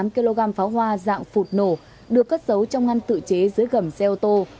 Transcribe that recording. bảy mươi tám kg pháo hoa dạng phụt nổ được cất dấu trong ngăn tự chế dưới gầm xe ô tô